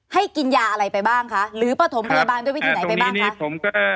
ให้กินยาอะไรไปบ้างคะหรือประถมพยาบาลด้วยวิธีไหนไปบ้างคะ